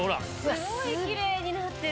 すごいキレイになってる！